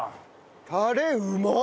タレうまっ！